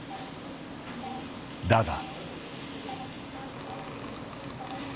だが。